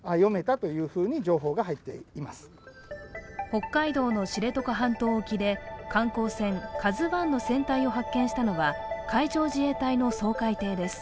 北海道の知床半島沖で観光船「ＫＡＺＵⅠ」の船体を発見したのは海上自衛隊の掃海艇です。